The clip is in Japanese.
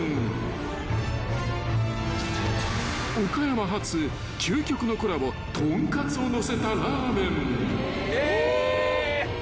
［岡山発究極のコラボ豚カツを載せたラーメン］